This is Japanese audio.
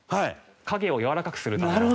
影をやわらかくするための。